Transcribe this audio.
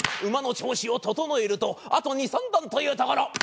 馬の調子を整えるとあと２３段というところ。